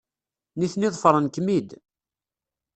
Nitni ḍefren-kem-id.